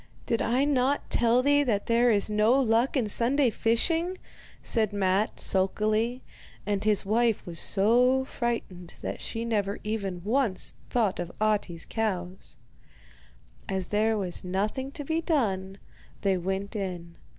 'Did I not tell thee that there is no luck in Sunday fishing?' said Matte sulkily; and his wife was so frightened that she never even once thought of Ahti's cows. As there was nothing to be done, they went in.